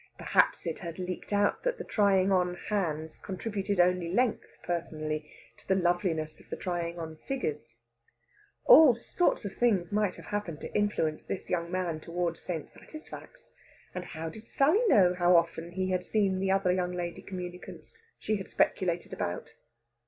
Perhaps it had leaked out that the trying on hands contributed only length, personally, to the loveliness of the trying on figures. All sorts of things might have happened to influence this young man towards St. Satisfax; and how did Sally know how often he had seen the other young lady communicants she had speculated about?